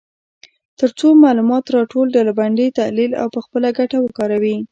تر څو معلومات راټول، ډلبندي، تحلیل او په خپله ګټه وکاروي.